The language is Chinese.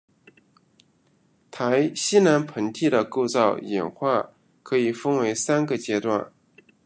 台西南盆地的构造演化可以分为三个阶段。